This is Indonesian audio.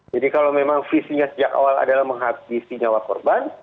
jadi kalau memang visinya sejak awal adalah menghabisi nyawa korban